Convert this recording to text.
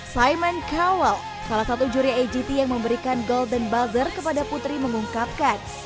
simon cowell salah satu juri agt yang memberikan golden buzzer kepada putri mengungkapkan